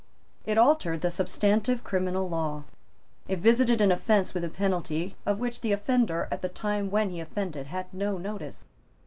It altered the substantive criminal law. It visited an offence with a penalty of which the offender, at the time when he offended, had no notice.